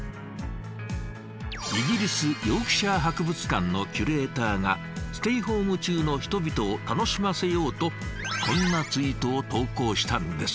イギリスヨークシャー博物館のキュレーターがステイホーム中の人々を楽しませようとこんなツイートを投稿したんです。